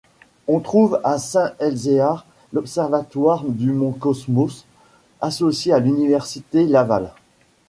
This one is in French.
On trouve à Saint-Elzéar l'observatoire du Mont Cosmos, associé à l'Université Laval.